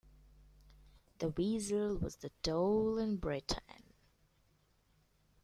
The Weasel was the dole in Britain.